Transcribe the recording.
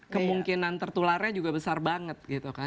kemungkinan tertularnya juga besar banget